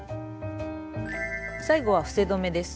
最後は伏せ止めです。